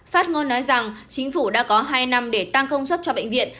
phát ngôn nói rằng chính phủ đã có hai năm để tăng công suất cho bệnh viện